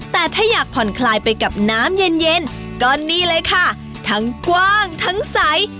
แต่ถ้าอยากผ่อนคลายไปกับน้ำเย็นเย็นก็นี่เลยค่ะทั้งกว้างทั้งใส